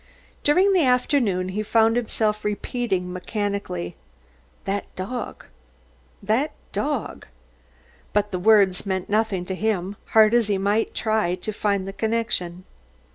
During the afternoon he found himself repeating mechanically, "That dog that dog." But the words meant nothing to him, hard as he might try to find the connection.